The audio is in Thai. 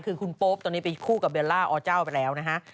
คือคุณโป๊ปตอนนี้ไปคู่กับเบลล่าอเจ้าไปแล้วนะฮะ